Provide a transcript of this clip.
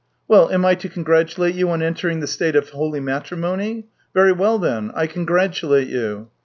Well, am I to congratulate you on entering the state of holy matrimony ? Very well, then; I congratulate you."